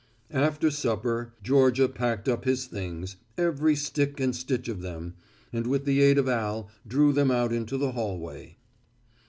After supper Georgia packed up his things, every stick and stitch of them, and with the aid of Al drew them out into the hallway.